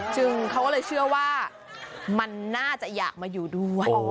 เขาก็เลยเชื่อว่ามันน่าจะอยากมาอยู่ด้วย